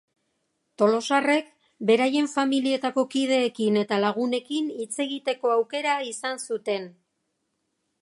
Tolosarrek beraien familietako kideekin eta lagunekin hitz egiteko aukera izan zuten.